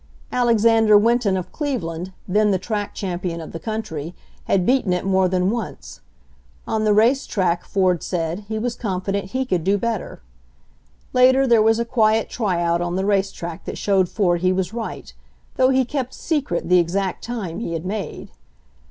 Alexander Winton of Cleveland, then the track champion of the country, had beaten it more than once. On the racetrack, Ford said, he was confident he could do better. Later there was a quiet tryout on the racetrack that showed Ford he was right, though he kept secret the exact time he had made.